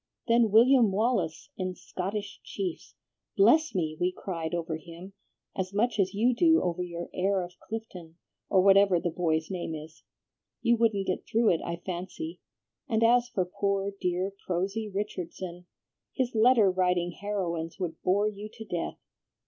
Then William Wallace in 'Scottish Chiefs.' Bless me! we cried over him as much as you do over your 'Heir of Clifton,' or whatever the boy's name is. You wouldn't get through it, I fancy; and as for poor, dear, prosy Richardson, his letter writing heroines would bore you to death.